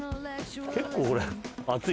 結構これ。